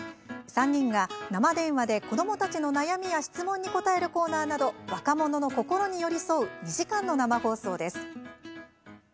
３人が生電話で子どもたちの悩みや質問に答えるコーナーなど若者の心に寄り添う２時間の生放送です。